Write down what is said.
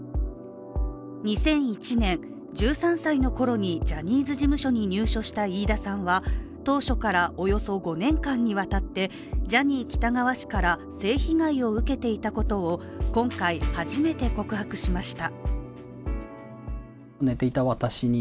２００１年、１３歳のころにジャニーズ事務所に入所した飯田さんは当初からおよそ５年間にわたってジャニー喜多川氏から性被害を受けていたことを今回、初めて告白しました。